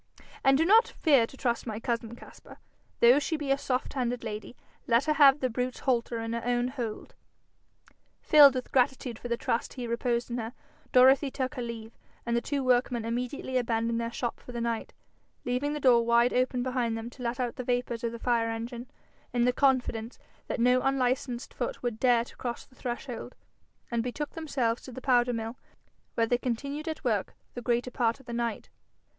And do not fear to trust my cousin, Caspar, although she be a soft handed lady. Let her have the brute's halter in her own hold.' Filled with gratitude for the trust he reposed in her, Dorothy took her leave, and the two workmen immediately abandoned their shop for the night, leaving the door wide open behind them to let out the vapours of the fire engine, in the confidence that no unlicensed foot would dare to cross the threshold, and betook themselves to the powder mill, where they continued at work the greater part of the night.